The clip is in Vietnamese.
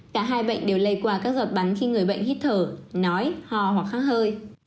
cả hai bệnh đều lây qua các giọt bắn khi người bệnh hít thở nói hò hoặc khắc hơi